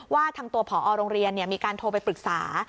ว่าทางตัวผอโรงเรียนมีการโทรไปปรึกษา